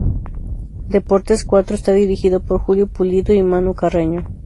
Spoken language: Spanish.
Deportes Cuatro está dirigido por Julio Pulido y Manu Carreño.